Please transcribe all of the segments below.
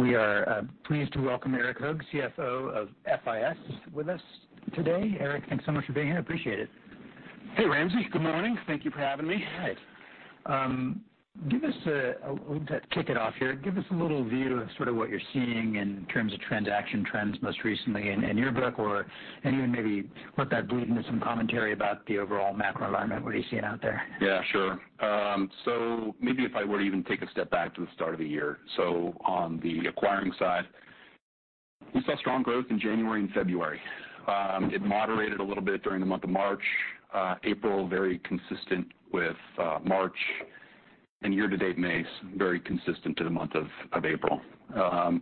We are pleased to welcome Erik Hoag, CFO of FIS with us today. Erik, thanks so much for being here. Appreciate it. Hey, Ramsey. Good morning. Thank you for having me. Hi. Well, to kick it off here, give us a little view of sort of what you're seeing in terms of transaction trends most recently in your book or any maybe what that bleed into some commentary about the overall macro environment, what are you seeing out there? Yeah, sure. Maybe if I were to even take a step back to the start of the year. On the acquiring side, we saw strong growth in January and February. It moderated a little bit during the month of March, April, very consistent with March and year-to-date May, very consistent to the month of April. On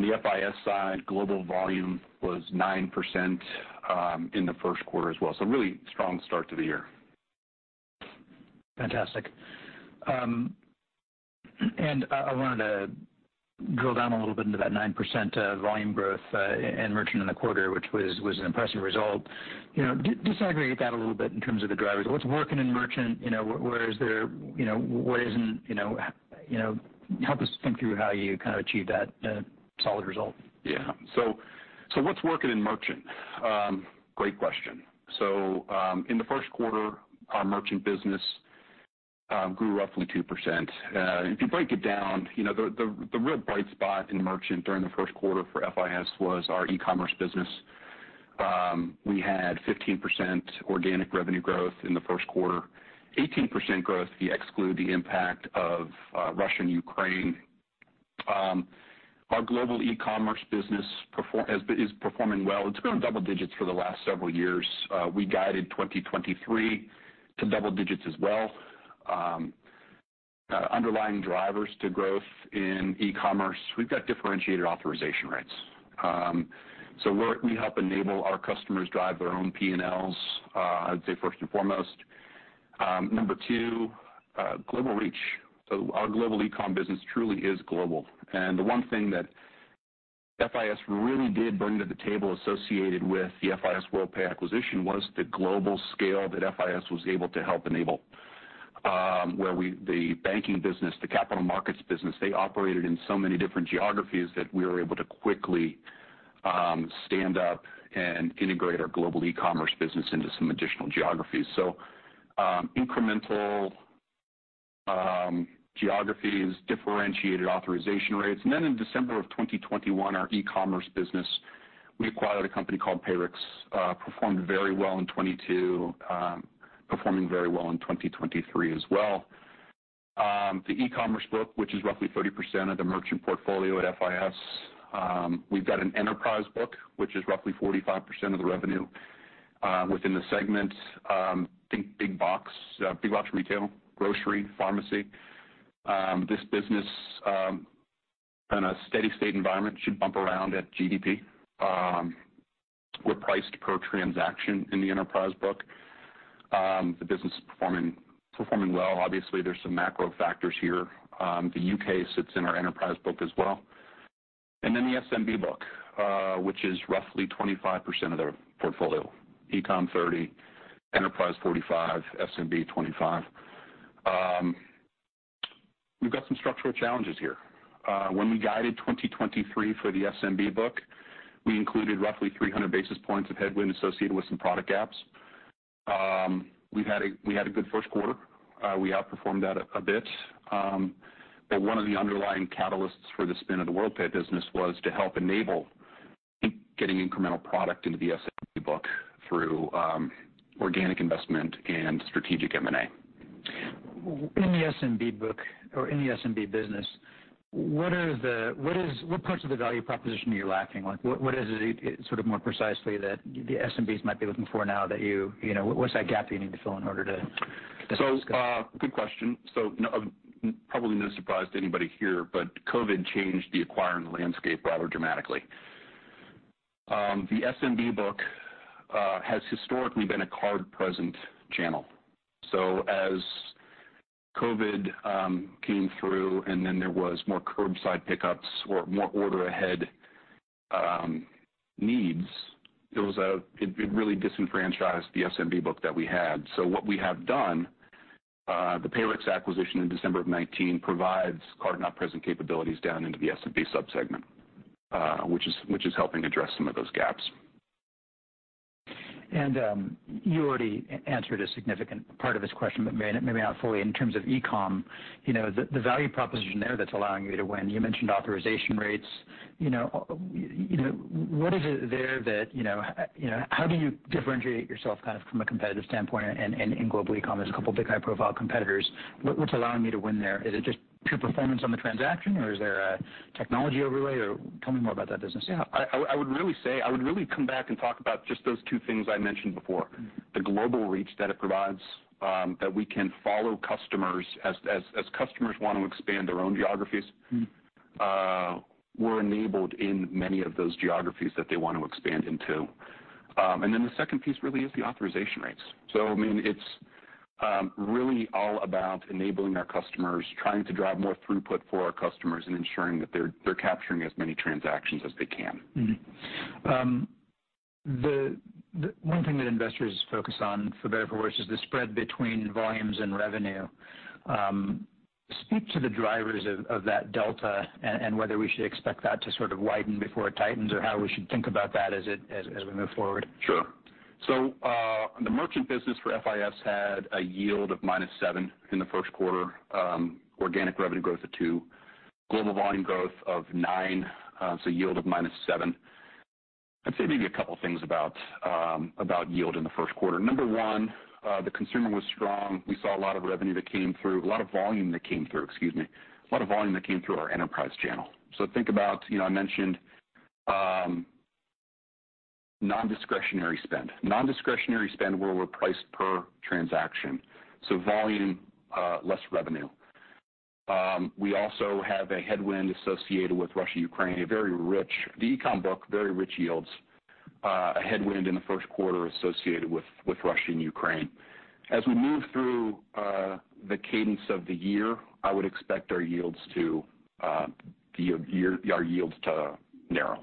the FIS side, global volume was 9% in the first quarter as well. Really strong start to the year. Fantastic. I wanted to drill down a little bit into that 9% volume growth in merchant in the quarter, which was an impressive result. You know, disaggregate that a little bit in terms of the drivers. What's working in merchant? You know, where is there, you know, what isn't, you know, you know, help us think through how you kinda achieved that solid result. What's working in merchant? Great question. In the Q1, our merchant business grew roughly 2%. If you break it down, you know, the real bright spot in merchant during the Q1 for FIS was our e-commerce business. We had 15% organic revenue growth in the Q1, 18% growth if you exclude the impact of Russia and Ukraine. Our global e-commerce business is performing well. It's grown double digits for the last several years. We guided 2023 to double digits as well. Underlying drivers to growth in e-commerce, we've got differentiated authorization rates. We help enable our customers drive their own P&Ls, I'd say first and foremost. Number two, global reach. Our global e-com business truly is global. The one thing that FIS really did bring to the table associated with the FIS Worldpay acquisition was the global scale that FIS was able to help enable. The banking business, the capital markets business, they operated in so many different geographies that we were able to quickly stand up and integrate our global e-commerce business into some additional geographies. Incremental geographies, differentiated authorization rates. In December 2021, our e-commerce business, we acquired a company called Payrix, performed very well in 2022, performing very well in 2023 as well. The e-commerce book, which is roughly 30% of the merchant portfolio at FIS, we've got an enterprise book, which is roughly 45% of the revenue within the segment, think big box retail, grocery, pharmacy. This business, in a steady state environment should bump around at GDP. We're priced per transaction in the enterprise book. The business is performing well. Obviously, there's some macro factors here. The U.K. sits in our enterprise book as well. The SMB book, which is roughly 25% of the portfolio. E-com 30%, enterprise 45%, SMB 25%. We've got some structural challenges here. When we guided 2023 for the SMB book, we included roughly 300 basis points of headwind associated with some product gaps. We had a good Q1. We outperformed that a bit. One of the underlying catalysts for the spin of the Worldpay business was to help enable getting incremental product into the SMB book through organic investment and strategic M&A. In the SMB book or in the SMB business, what parts of the value proposition are you lacking? Like, what is it sort of more precisely that the SMBs might be looking for now that you know, what's that gap you need to fill in order to get that? Good question. Probably no surprise to anybody here, COVID changed the acquiring landscape rather dramatically. The SMB book has historically been a card-present channel. As COVID came through, and then there was more curbside pickups or more order ahead needs, it really disenfranchised the SMB book that we had. What we have done, the Payrix acquisition in December of 2019 provides card-not-present capabilities down into the SMB sub-segment, which is helping address some of those gaps. You already answered a significant part of this question, but maybe not fully in terms of e-com. You know, the value proposition there that's allowing you to win, you mentioned authorization rates. You know, what is it there that, you know, how do you differentiate yourself kind of from a competitive standpoint in, in global e-commerce, a couple of big high-profile competitors, what's allowing you to win there? Is it just pure performance on the transaction, or is there a technology overlay, or tell me more about that business. Yeah. I would really say I would really come back and talk about just those two things I mentioned before. Mm-hmm. The global reach that it provides, that we can follow customers as customers want to expand their own geographies. Mm-hmm We're enabled in many of those geographies that they want to expand into. The second piece really is the authorization rates. I mean, it's really all about enabling our customers, trying to drive more throughput for our customers and ensuring that they're capturing as many transactions as they can. The one thing that investors focus on for better for worse is the spread between volumes and revenue. Speak to the drivers of that delta and whether we should expect that to sort of widen before it tightens, or how we should think about that as we move forward. Sure. The merchant business for FIS had a yield of -7 in the Q1, organic revenue growth of two, global volume growth of nine, yield of -7. I'd say maybe a couple things about yield in the Q1. Number one, the consumer was strong. We saw a lot of volume that came through our enterprise channel. Think about, you know, I mentioned non-discretionary spend. Non-discretionary spend where we're priced per transaction, volume, less revenue. We also have a headwind associated with Russia-Ukraine. The e-commerce book, very rich yields, a headwind in the first quarter associated with Russia and Ukraine. As we move through the cadence of the year, I would expect our yields to narrow.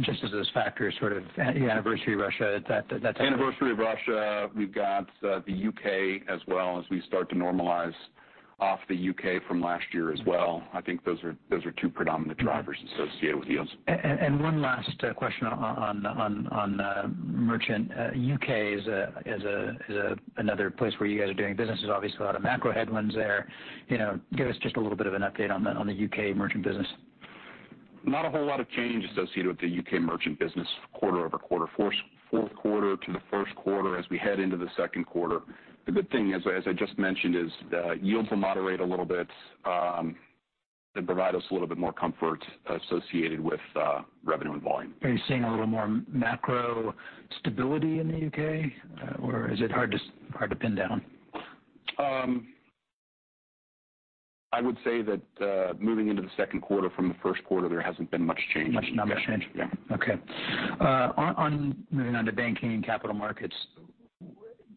Just as those factors sort of anniversary Russia, that type of. Anniversary of Russia. We've got, the U.K. as well as we start to normalize off the U.K. from last year as well. I think those are two predominant drivers associated with yields. One last question on merchant. U.K. is another place where you guys are doing business. There's obviously a lot of macro headwinds there. You know, give us just a little bit of an update on the U.K. merchant business. Not a whole lot of change associated with the U.K. merchant business quarter over quarter. Q4 to the Q1 as we head into the Q2. The good thing, as I just mentioned, is the yields will moderate a little bit and provide us a little bit more comfort associated with revenue and volume. Are you seeing a little more macro stability in the U.K., or is it hard to pin down? I would say that moving into the Q2 from the Q1, there hasn't been much change. Not much change. Yeah. Okay. On moving on to banking and capital markets.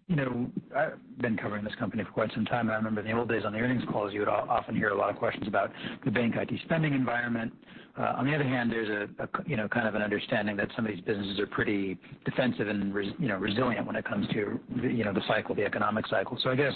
You know, I've been covering this company for quite some time, and I remember in the old days on the earnings calls, you would often hear a lot of questions about the bank IT spending environment. On the other hand, there's a, you know, kind of an understanding that some of these businesses are pretty defensive and you know, resilient when it comes to the, you know, the cycle, the economic cycle. I guess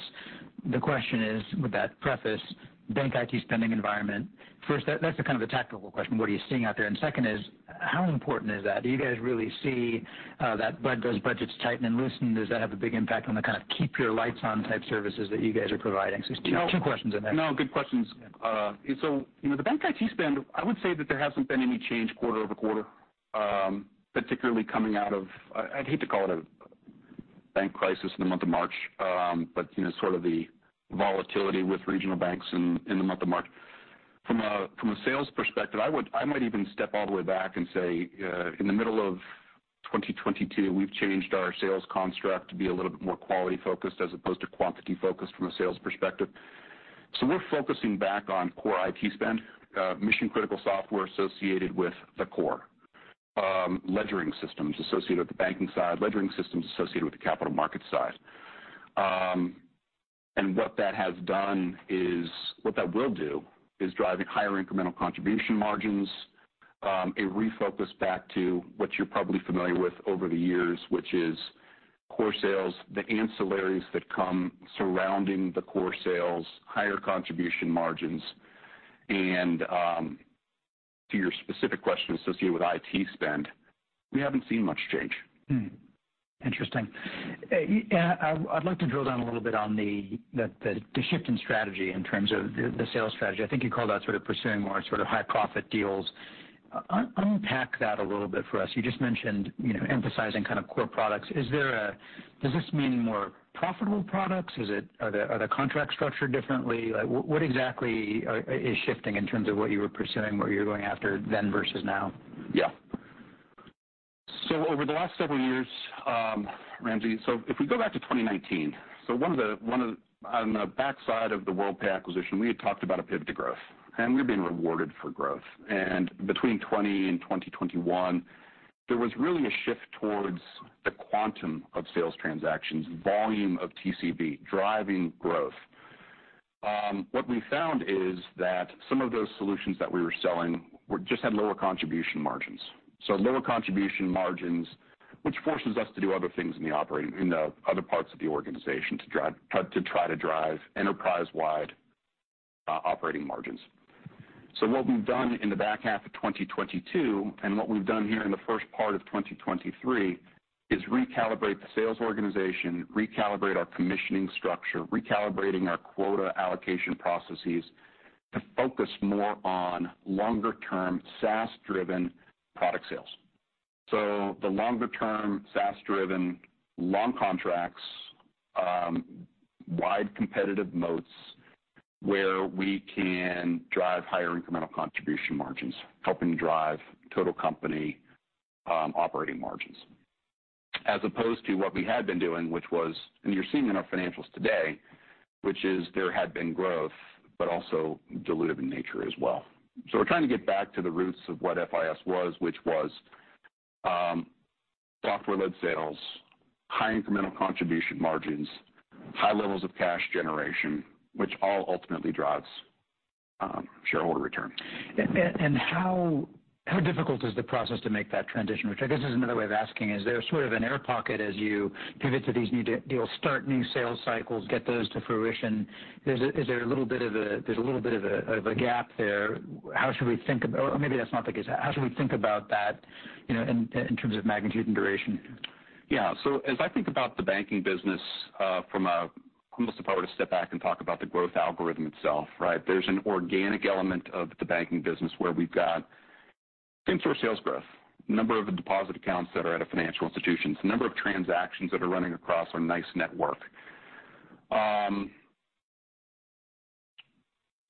the question is, with that preface, bank IT spending environment, first, that's a kind of a tactical question. What are you seeing out there? Second is, how important is that? Do you guys really see those budgets tighten and loosen? Does that have a big impact on the kind of keep your lights on type services that you guys are providing? There's two questions in there. Good questions. you know, the bank IT spend, I would say that there hasn't been any change quarter-over-quarter, particularly coming out of I hate to call it a bank crisis in the month of March, you know, sort of the volatility with regional banks in the month of March. From a sales perspective, I might even step all the way back and say, in the middle of 2022, we've changed our sales construct to be a little bit more quality focused as opposed to quantity focused from a sales perspective. we're focusing back on core IT spend, mission-critical software associated with the core, ledgering systems associated with the banking side, ledgering systems associated with the capital market side. what that has done is... What that will do is drive higher incremental contribution margins, a refocus back to what you're probably familiar with over the years, which is core sales, the ancillaries that come surrounding the core sales, higher contribution margins. To your specific question associated with IT spend, we haven't seen much change. Hmm. Interesting. I'd like to drill down a little bit on the shift in strategy in terms of the sales strategy. I think you called out sort of pursuing more sort of high profit deals. Unpack that a little bit for us. You just mentioned, you know, emphasizing kind of core products. Does this mean more profitable products? Are the contracts structured differently? Like, what exactly is shifting in terms of what you were pursuing, what you're going after then versus now? Yeah. Over the last several years, Ramsey, if we go back to 2019, on the backside of the Worldpay acquisition, we had talked about a pivot to growth, and we're being rewarded for growth. Between 2020 and 2021, there was really a shift towards the quantum of sales transactions, volume of TCB driving growth. What we found is that some of those solutions that we were selling just had lower contribution margins. Lower contribution margins, which forces us to do other things in the operating, in the other parts of the organization to drive enterprise-wide operating margins. What we've done in the back half of 2022 and what we've done here in the first part of 2023 is recalibrate the sales organization, recalibrate our commissioning structure, recalibrating our quota allocation processes to focus more on longer-term, SaaS-driven product sales. The longer-term, SaaS-driven long contracts, wide competitive moats, where we can drive higher incremental contribution margins, helping drive total company operating margins. As opposed to what we had been doing, which was, and you're seeing in our financials today, which is there had been growth, but also dilutive in nature as well. We're trying to get back to the roots of what FIS was, which was Software-led sales, high incremental contribution margins, high levels of cash generation, which all ultimately drives shareholder return. How difficult is the process to make that transition? Which I guess is another way of asking, is there sort of an air pocket as you pivot to these new deals, start new sales cycles, get those to fruition? Is there a little bit of a gap there? Or maybe that's not the case. How should we think about that, you know, in terms of magnitude and duration? As I think about the banking business, from a... I'm going to step out and step back and talk about the growth algorithm itself, right? There's an organic element of the banking business where we've got in-store sales growth, number of deposit accounts that are at a financial institutions, number of transactions that are running across our NYCE Network.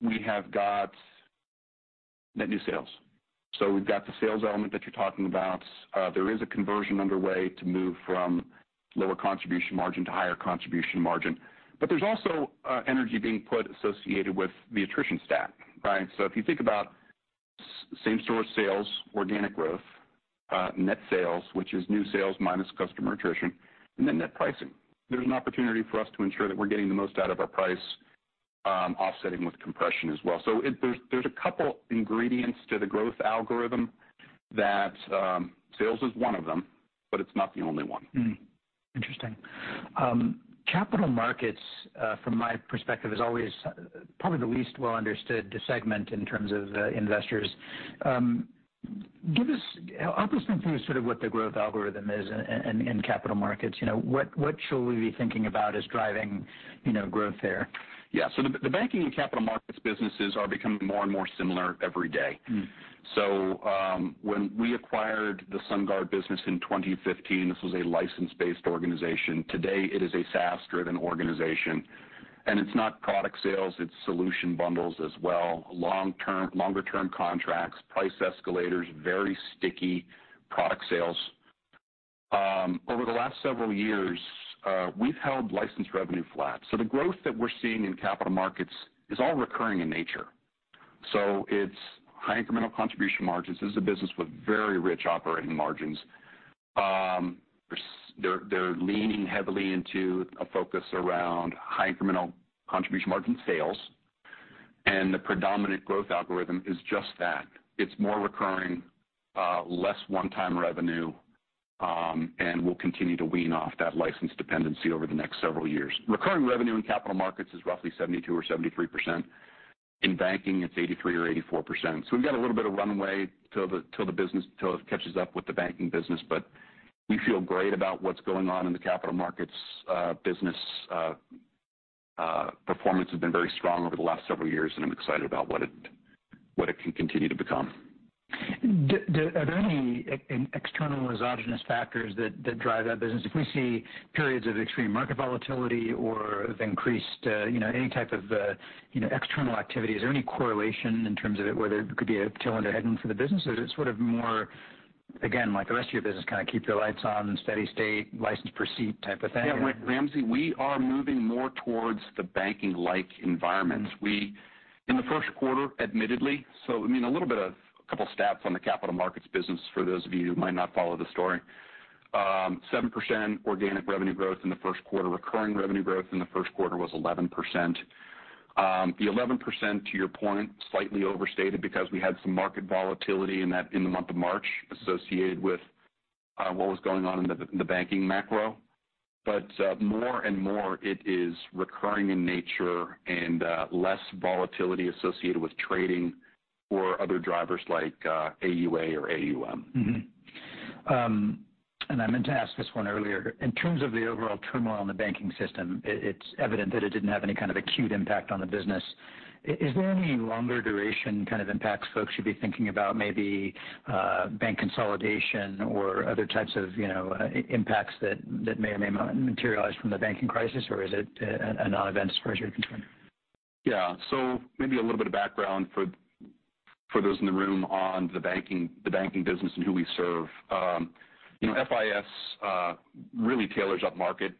We have got net new sales. We've got the sales element that you're talking about. There is a conversion underway to move from lower contribution margin to higher contribution margin. There's also energy being put associated with the attrition stat, right? If you think about same store sales, organic growth, net sales, which is new sales minus customer attrition, and then net pricing. There's an opportunity for us to ensure that we're getting the most out of our price, offsetting with compression as well. There's a couple ingredients to the growth algorithm that, sales is one of them, but it's not the only one. Interesting. Capital markets, from my perspective, is always probably the least well understood segment in terms of the investors. Help us think through sort of what the growth algorithm is in capital markets. You know, what should we be thinking about as driving, you know, growth there? The banking and capital markets businesses are becoming more and more similar every day. Mm-hmm. When we acquired the SunGard business in 2015, this was a license-based organization. Today, it is a SaaS-driven organization. It's not product sales, it's solution bundles as well, longer term contracts, price escalators, very sticky product sales. Over the last several years, we've held license revenue flat. The growth that we're seeing in capital markets is all recurring in nature. It's high incremental contribution margins. This is a business with very rich operating margins. They're leaning heavily into a focus around high incremental contribution margin sales, and the predominant growth algorithm is just that. It's more recurring, less one-time revenue, and we'll continue to wean off that license dependency over the next several years. Recurring revenue in capital markets is roughly 72% or 73%. In banking, it's 83% or 84%. We've got a little bit of runway till the business, till it catches up with the banking business. We feel great about what's going on in the capital markets business. Performance has been very strong over the last several years, and I'm excited about what it can continue to become. Do Are there any external exogenous factors that drive that business? If we see periods of extreme market volatility or of increased, you know, any type of, you know, external activity, is there any correlation in terms of it, whether it could be a tailwind or headwind for the business? Or is it sort of more, again, like the rest of your business, kind of keep your lights on, steady state, license per seat type of thing? Ramsey, we are moving more towards the banking-like environments. In the Q1, admittedly, I mean, a little bit of a couple stats on the capital markets business for those of you who might not follow the story. 7% organic revenue growth in the Q1. Recurring revenue growth in the Q1 was 11%. The 11%, to your point, slightly overstated because we had some market volatility in the month of March associated with what was going on in the banking macro. More and more it is recurring in nature and less volatility associated with trading or other drivers like AUA or AUM. I meant to ask this one earlier. In terms of the overall turmoil in the banking system, it's evident that it didn't have any kind of acute impact on the business. Is there any longer duration kind of impacts folks should be thinking about maybe bank consolidation or other types of, you know, impacts that may or may not materialize from the banking crisis? Or is it a non-event as far as you're concerned? So maybe a little bit of background for those in the room on the banking, the banking business and who we serve. You know, FIS really tailors up market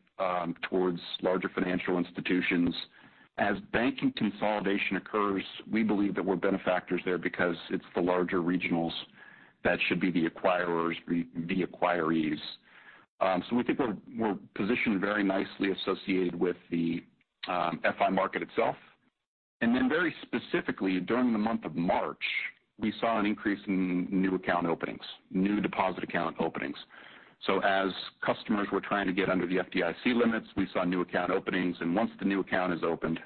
towards larger financial institutions. As banking consolidation occurs, we believe that we're benefactors there because it's the larger regionals that should be the acquirers, the acquirees. So we think we're positioned very nicely associated with the FI market itself. And then very specifically, during the month of March, we saw an increase in new account openings, new deposit account openings. So as customers were trying to get under the FDIC limits, we saw new account openings, and once the new account is opened,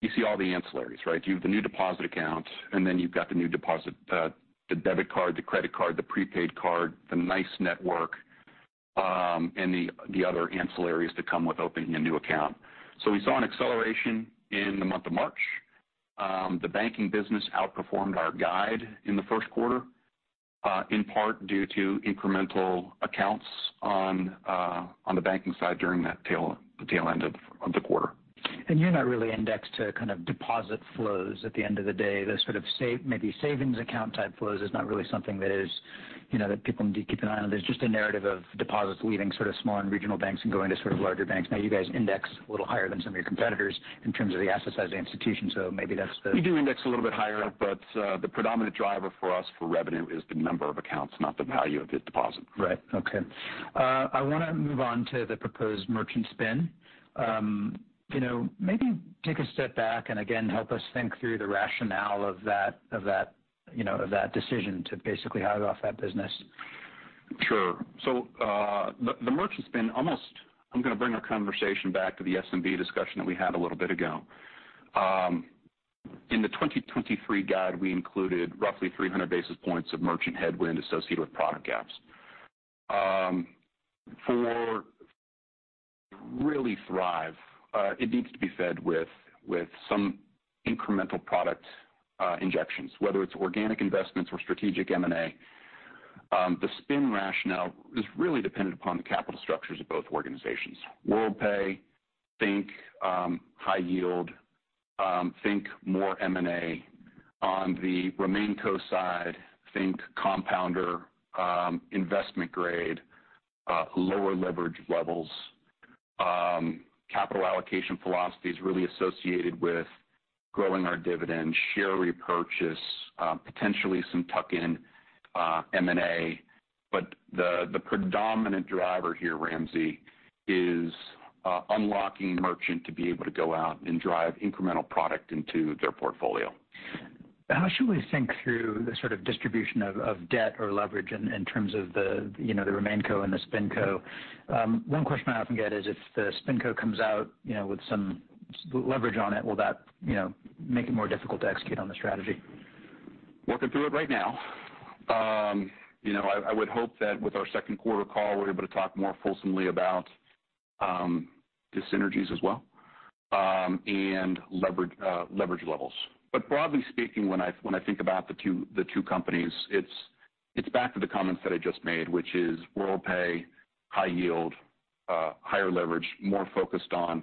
you see all the ancillaries, right? You have the new deposit accounts, you've got the new deposit, the debit card, the credit card, the prepaid card, the NYCE Network, and the other ancillaries that come with opening a new account. We saw an acceleration in the month of March. The banking business outperformed our guide in the first quarter, in part due to incremental accounts on the banking side during that tail end of the quarter. You're not really indexed to kind of deposit flows at the end of the day. The sort of save-maybe savings account type flows is not really something that is, you know, that people need to keep an eye on. There's just a narrative of deposits leaving sort of small and regional banks and going to sort of larger banks. You guys index a little higher than some of your competitors in terms of the asset size institution, so maybe that's the. We do index a little bit higher, but the predominant driver for us for revenue is the number of accounts, not the value of the deposit. Right. Okay. I wanna move on to the proposed merchant spin. You know, maybe take a step back and again help us think through the rationale of that, you know, of that decision to basically hive off that business. Sure. I'm gonna bring our conversation back to the SMB discussion that we had a little bit ago. In the 2023 guide, we included roughly 300 basis points of merchant headwind associated with product gaps. For really thrive, it needs to be fed with some incremental product injections, whether it's organic investments or strategic M&A. The spin rationale is really dependent upon the capital structures of both organizations. Worldpay think, high yield, think more M&A. On the RemainCo side, think compounder, investment grade, lower leverage levels. Capital allocation philosophy is really associated with growing our dividend, share repurchase, potentially some tuck-in M&A. The predominant driver here, Ramsey, is unlocking merchant to be able to go out and drive incremental product into their portfolio. How should we think through the sort of distribution of debt or leverage in terms of the, you know, the RemainCo and the SpinCo? One question I often get is if the SpinCo comes out, you know, with some leverage on it, will that, you know, make it more difficult to execute on the strategy? Working through it right now. You know, I would hope that with our Q2 call, we're able to talk more fulsomely about the synergies as well, and leverage leverage levels. Broadly speaking, when I, when I think about the two companies, it's back to the comments that I just made, which is Worldpay, high yield, higher leverage, more focused on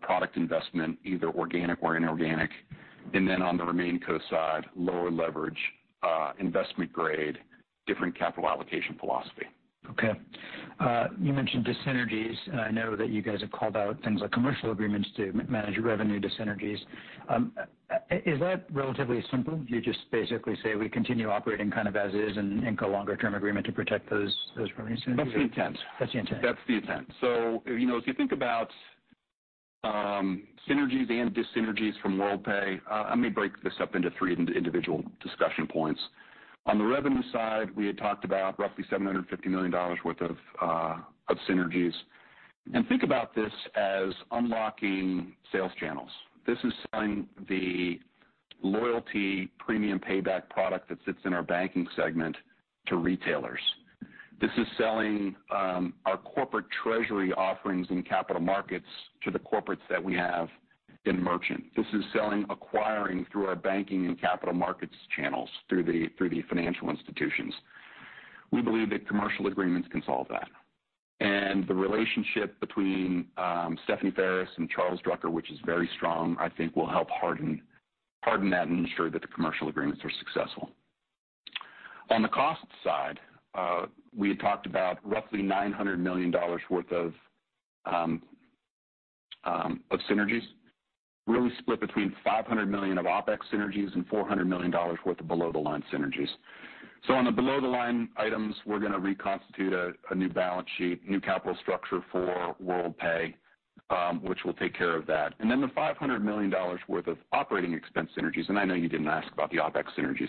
product investment, either organic or inorganic. Then on the RemainCo side, lower leverage, investment grade, different capital allocation philosophy. You mentioned dyssynergies. I know that you guys have called out things like commercial agreements to manage revenue dyssynergies. Is that relatively simple? Do you just basically say we continue operating kind of as is and ink a longer term agreement to protect those revenues? That's the intent. That's the intent. That's the intent. You know, if you think about synergies and dyssynergies from Worldpay, let me break this up into three individual discussion points. On the revenue side, we had talked about roughly $750 million worth of synergies. Think about this as unlocking sales channels. This is selling the loyalty Premium Payback product that sits in our banking segment to retailers. This is selling, our corporate treasury offerings and capital markets to the corporates that we have in merchant. This is selling, acquiring through our banking and capital markets channels through the, through the financial institutions. We believe that commercial agreements can solve that. The relationship between Stephanie Ferris and Charles Drucker, which is very strong, I think will help harden that and ensure that the commercial agreements are successful. On the cost side, we had talked about roughly $900 million worth of synergies, really split between $500 million of OpEx synergies and $400 million worth of below-the-line synergies. On the below-the-line items, we're gonna reconstitute a new balance sheet, new capital structure for Worldpay, which will take care of that. Then the $500 million worth of operating expense synergies, I know you didn't ask about the OpEx synergies.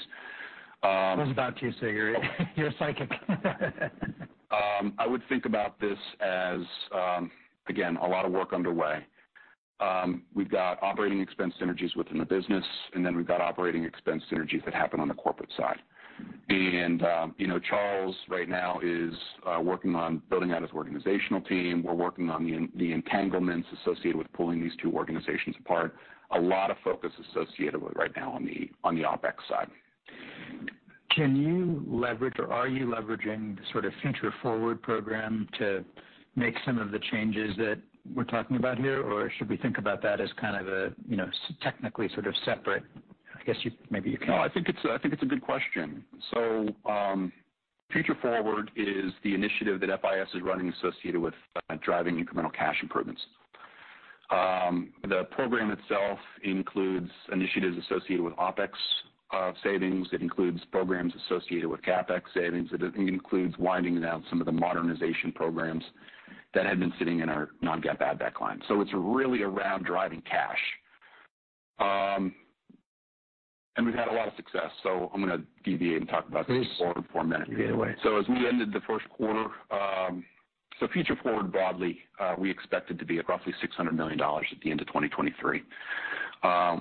I was about to, so you're psychic. I would think about this as, again, a lot of work underway. We've got operating expense synergies within the business, and then we've got operating expense synergies that happen on the corporate side. You know, Charles right now is working on building out his organizational team. We're working on the entanglements associated with pulling these two organizations apart. A lot of focus associated with right now on the OpEx side. Can you leverage or are you leveraging the sort of Future Forward program to make some of the changes that we're talking about here? Should we think about that as kind of a, you know, technically sort of separate? I guess maybe you. No, I think it's, I think it's a good question. Future Forward is the initiative that FIS is running associated with, driving incremental cash improvements. The program itself includes initiatives associated with OpEx, savings. It includes programs associated with CapEx savings. It includes winding down some of the modernization programs that had been sitting in our non-GAAP add back line. It's really around driving cash. We've had a lot of success, so I'm gonna deviate and talk about this- Please for a minute. Steal it away. As we ended the first quarter, Future Forward broadly, we expect it to be at roughly $600 million at the end of 2023.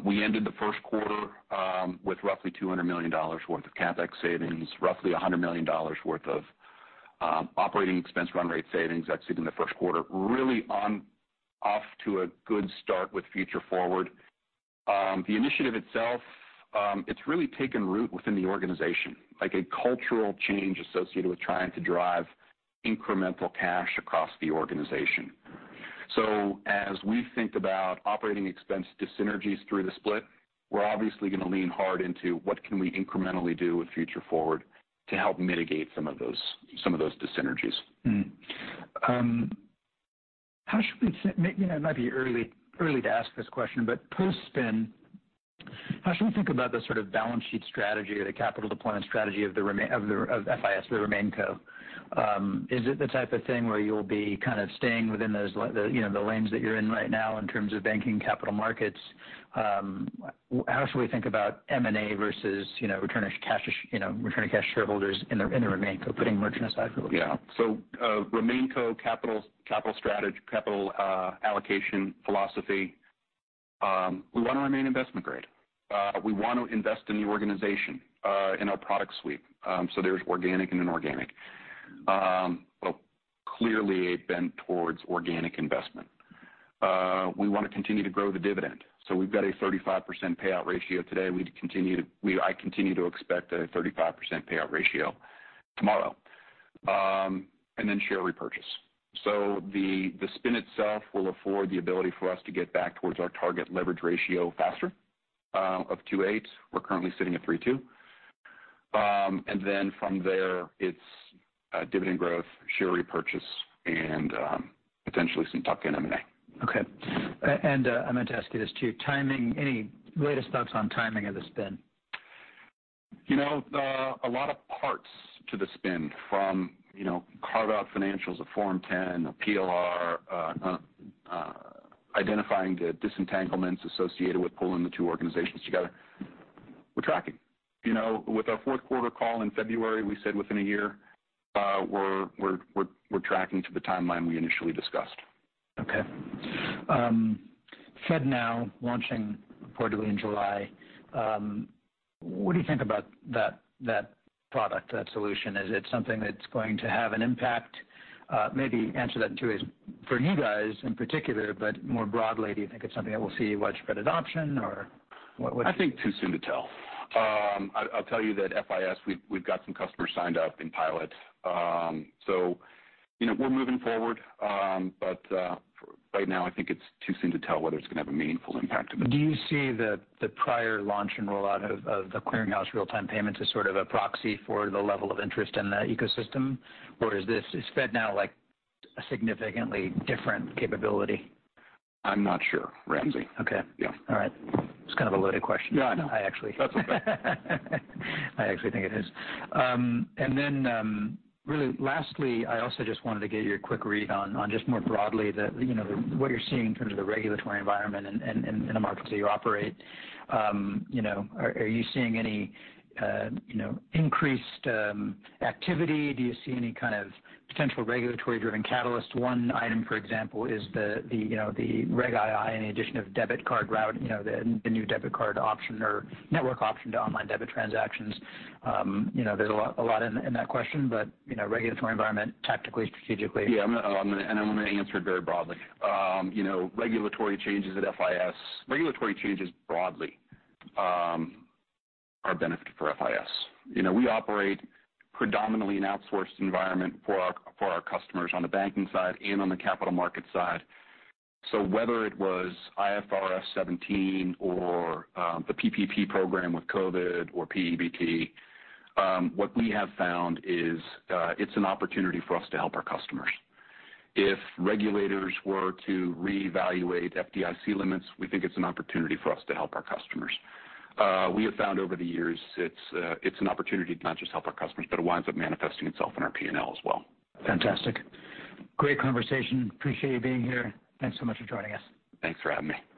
We ended the Q1 with roughly $200 million worth of CapEx savings, roughly $100 million worth of operating expense run rate savings exiting the Q1, really off to a good start with Future Forward. The initiative itself, it's really taken root within the organization, like a cultural change associated with trying to drive incremental cash across the organization. As we think about operating expense dissynergies through the split, we're obviously gonna lean hard into what can we incrementally do with Future Forward to help mitigate some of those, some of those dissynergies. How should we, you know, it might be early to ask this question, but post-spin, how should we think about the sort of balance sheet strategy or the capital deployment strategy of FIS, the RemainCo? Is it the type of thing where you'll be kind of staying within those, you know, the lanes that you're in right now in terms of banking capital markets? How should we think about M&A versus, you know, returning cash to shareholders in the RemainCo, putting merchant aside for the? Yeah. RemainCo capital strategy, capital allocation philosophy, we wanna remain investment grade. We want to invest in the organization, in our product suite. There's organic and inorganic. Clearly a bent towards organic investment. We wanna continue to grow the dividend, we've got a 35% payout ratio today. I continue to expect a 35% payout ratio tomorrow. Share repurchase. The spin itself will afford the ability for us to get back towards our target leverage ratio faster, of 2.8. We're currently sitting at 3.2. From there, it's dividend growth, share repurchase, and potentially some tuck-in M&A. Okay. I meant to ask you this too. Timing, any latest thoughts on timing of the spin? You know, a lot of parts to the spin from, you know, carve out financials, a Form 10, a PLR, identifying the disentanglements associated with pulling the two organizations together. We're tracking. You know, with our Q4 call in February, we said within a year, we're tracking to the timeline we initially discussed. FedNow launching reportedly in July. What do you think about that product, that solution? Is it something that's going to have an impact? Maybe answer that in two ways, for you guys in particular, but more broadly, do you think it's something that we'll see widespread adoption or what? I think too soon to tell. I'll tell you that FIS, we've got some customers signed up in pilot. You know, we're moving forward, right now I think it's too soon to tell whether it's gonna have a meaningful impact or not. Do you see the prior launch and rollout of The Clearing House real-time payments as sort of a proxy for the level of interest in the ecosystem? Or Is FedNow like a significantly different capability? I'm not sure, Ramsey. Okay. Yeah. All right. It's kind of a loaded question. Yeah, I know. I actually- That's okay. I actually think it is. Then, really lastly, I also just wanted to get your quick read on just more broadly that, you know, what you're seeing in terms of the regulatory environment in the markets that you operate. You know, are you seeing any, you know, increased activity? Do you see any kind of potential regulatory-driven catalyst? One item, for example, is the Reg II and the addition of debit card route, the new debit card option or network option to online debit transactions. You know, there's a lot in that question, you know, regulatory environment tactically, strategically. Yeah. I'm gonna answer it very broadly. You know, regulatory changes at FIS, regulatory changes broadly, are benefit for FIS. You know, we operate predominantly an outsourced environment for our customers on the banking side and on the capital market side. Whether it was IFRS 17 or the PPP program with COVID or P-EBT, what we have found is, it's an opportunity for us to help our customers. If regulators were to reevaluate FDIC limits, we think it's an opportunity for us to help our customers. We have found over the years, it's an opportunity to not just help our customers, but it winds up manifesting itself in our P&L as well. Fantastic. Great conversation. Appreciate you being here. Thanks so much for joining us. Thanks for having me.